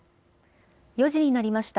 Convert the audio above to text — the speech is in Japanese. ４時になりました。